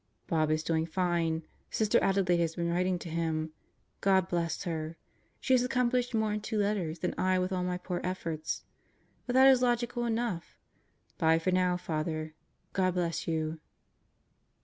... Bob is doing fine. Sister Adelaide has been writing to him. God bless her. She has accomplished more in two letters than I with all my poor efforts. But that is logical enoughl Bye for now, Father. God bless you.